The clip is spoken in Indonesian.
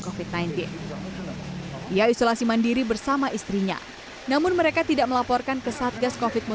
koekligensi ia isolasi mandiri bersama istrinya namun mereka tidak melaporkan kesatgasan fitno